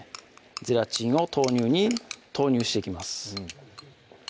ゼラチンを豆乳に投入していきます